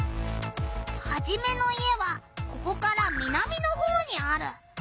ハジメの家はここから南のほうにある。